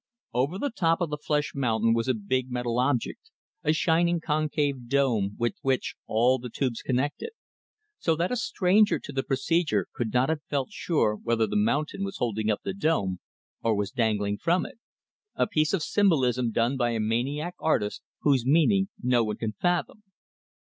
Over the top of the flesh mountain was a big metal object, a shining concave dome with which all the tubes connected; so that a stranger to the procedure could not have felt sure whether the mountain was holding up the dome, or was dangling from it. A piece of symbolism done by a maniac artist, whose meaning no one could fathom!